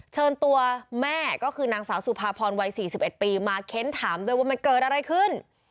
เชิญตัวแม่ก็คือนางสาวสุภาพรวัย๔๑ปีมาเค้นถามด้วยว่ามันเกิดอะไรขึ้น